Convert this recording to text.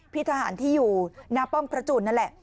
พี่ทหารที่อยู่หน้าป้อมพระจุลนั่นแหละ